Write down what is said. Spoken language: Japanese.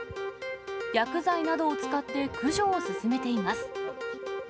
薬剤などを使って駆除を進めています。